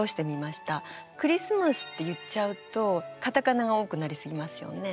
クリスマスって言っちゃうとカタカナが多くなりすぎますよね。